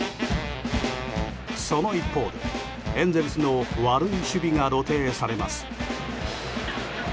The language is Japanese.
その一方で、エンゼルスの悪い守備が露呈されます。